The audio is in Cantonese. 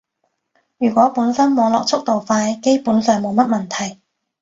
如果本身網絡速度快，基本上冇乜問題